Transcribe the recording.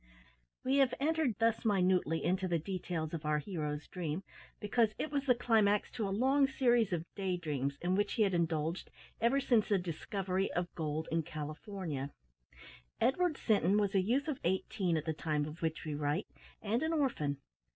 We have entered thus minutely into the details of our hero's dream, because it was the climax to a long series of day dreams, in which he had indulged ever since the discovery of gold in California. Edward Sinton was a youth of eighteen at the time of which we write, and an orphan.